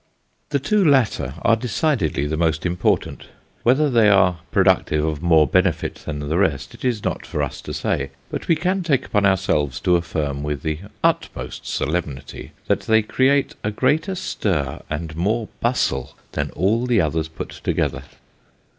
The two latter are decidedly the most im portant ; whether they are productive of more benefit than the rest, it is not for us to say, but we can take upon ourselves to affirm, with the utmost solemnity, that they create a greater stir and more bustle, than all the others put together.